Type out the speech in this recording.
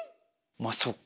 まあそっか。